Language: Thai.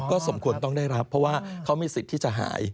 สมควรต้องได้รับเพราะว่าเขามีสิทธิ์ที่จะหาย